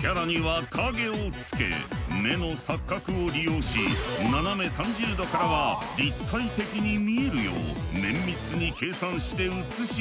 キャラには影をつけ目の錯覚を利用し斜め３０度からは立体的に見えるよう綿密に計算して映し出している。